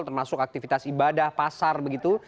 termasuk aktivitas ibadah pasar begitu